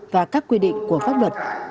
và các quy định của pháp luật